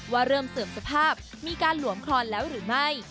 ว่าเริ่มเสื่อมสภาพมีการหลวมคลอนแล้วหรือไม่